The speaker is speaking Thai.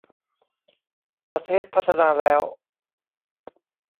ประเทศพัฒนาแล้ว